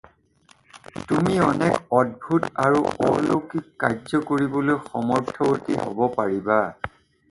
তুমি অনেক অদ্ভুত আৰু অলৌকিক কাৰ্য্য কৰিবলৈ সমৰ্থৱতী হ'ব পাৰিবা।